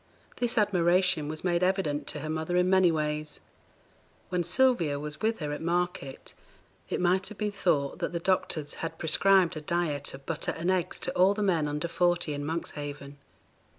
This admiration was made evident to her mother in many ways. When Sylvia was with her at market, it might have been thought that the doctors had prescribed a diet of butter and eggs to all the men under forty in Monkshaven.